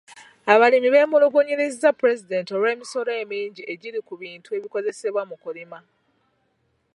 Abalimi beemulugunyiriza pulezidenti olw'emisolo emingi egiri ku bintu ebikozesebwa mu kulima.